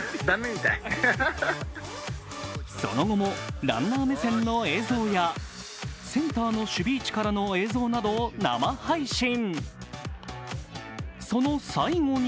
その後もランナー目線の映像やセンターの守備位置からの映像などを生配信。